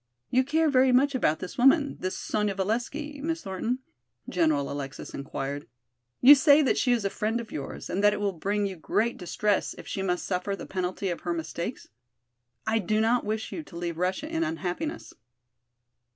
"You care very much about this woman, this Sonya Valesky, Miss Thornton?" General Alexis inquired. "You say that she is a friend of yours and that it will bring you great distress if she must suffer the penalty of her mistakes? I do not wish you to leave Russia in unhappiness."